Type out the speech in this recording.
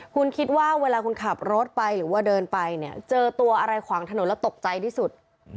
คุณคิดว่าเวลาคุณขับรถไปหรือว่าเดินไปเนี่ยเจอตัวอะไรขวางถนนแล้วตกใจที่สุด